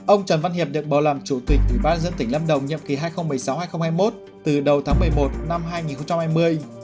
ông trần văn hiệp được bầu làm chủ tịch ủy ban dân tỉnh lâm đồng nhiệm kỳ hai nghìn một mươi sáu hai nghìn hai mươi một từ đầu tháng một mươi một năm hai nghìn hai mươi